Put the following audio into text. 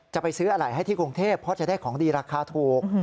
จะไปซื้ออะไรให้ที่กรุงเทพเพราะจะได้ของดีราคาถูก